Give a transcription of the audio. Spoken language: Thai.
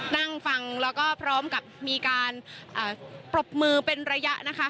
นั่งฟังแล้วก็พร้อมกับมีการปรบมือเป็นระยะนะคะ